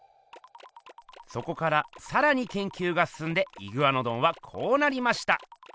そこからさらにけんきゅうがすすんでイグアノドンはこうなりました。